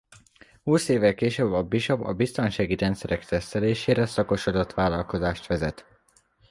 Húsz évvel később Bishop a biztonsági rendszerek tesztelésére szakosodott vállalkozást vezet.